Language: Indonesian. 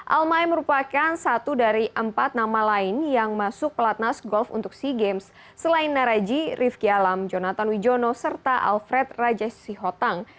almai merupakan satu dari empat nama lain yang masuk pelatnas golf untuk sea games selain naraji rifki alam jonathan wijono serta alfred raja sihotang